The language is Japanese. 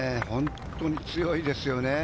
本当に強いですよね。